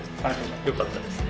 よかったですね。